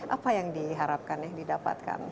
apa yang diharapkan yang didapatkan